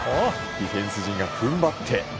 ディフェンス陣が踏ん張って。